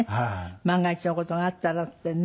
万が一の事があったらってね。